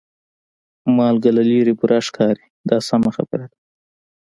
مالګه له لرې بوره ښکاري دا سمه خبره ده.